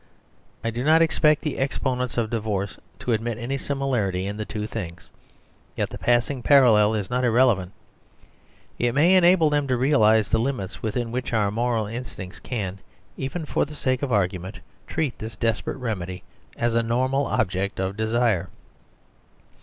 I do not expect the exponents of di vorce to admit any similarity in the two things; yet the passing parallel is not irrele vant It may enable them to realise the limits within which our moral instincts can, even for the sake of argument, treat this desperate rem edy as a normal object of desire.